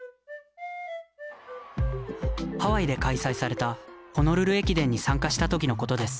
ハワイで開催されたホノルル駅伝に参加した時のことです。